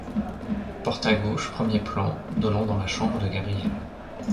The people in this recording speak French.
Porte à gauche, premier plan, donnant dans la chambre de Gabrielle.